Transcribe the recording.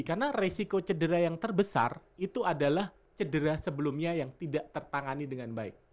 karena resiko cedera yang terbesar itu adalah cedera sebelumnya yang tidak tertangani dengan baik